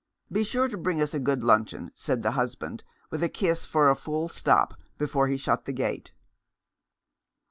" Be sure you bring us a good luncheon," said the husband, with a kiss for a full stop, before he shut the gate.